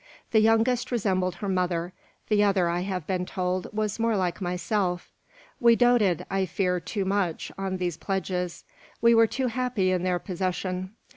The youngest resembled her mother; the other, I have been told, was more like myself. We doted, I fear, too much on these pledges. We were too happy in their possession.